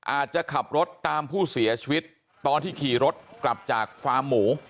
อาจจะขับรถตามผู้เสียชีวิตตอนที่ขี่รถกลับจากฟาร์มหมู